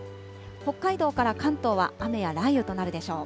北海道から関東は雨や雷雨となるでしょう。